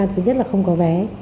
thứ nhất là không có vé